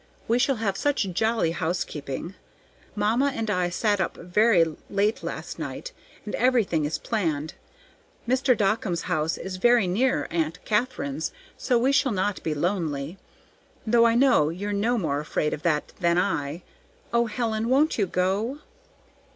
We shall have such jolly housekeeping. Mamma and I sat up very late last night, and everything is planned. Mr. Dockum's house is very near Aunt Katharine's, so we shall not be lonely; though I know you're no more afraid of that than I. O Helen, won't you go?"